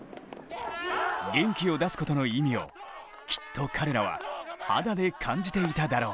元気を出すことの意味をきっと彼らは肌で感じていただろう。